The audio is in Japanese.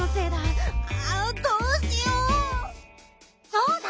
そうだ。